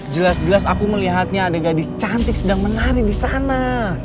jelas jelas aku melihatnya ada gadis cantik sedang menari di sana